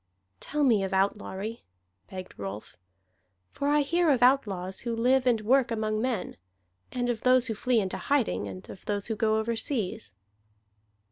"Tell me of outlawry," begged Rolf. "For I hear of outlaws who live and work among men, and of those who flee into hiding, and of those who go overseas."